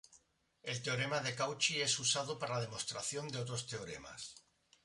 El teorema de Cauchy es usado para la demostración de otros teoremas.